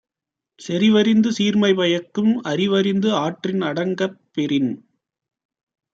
செறிவறிந்து சீர்மை பயக்கும் அறிவறிந்து ஆற்றின் அடங்கப் பெறின்